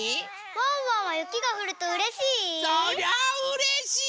ワンワンはゆきがふるとうれしい？